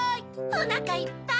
おなかいっぱい！